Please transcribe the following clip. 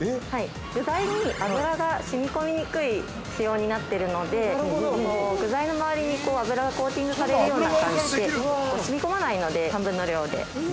◆具材に油がしみ込みにくい仕様になっているので、具材の周りに油がコーティングされるような感じで、しみ込まないので、半分の量で。